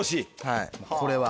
はいこれは。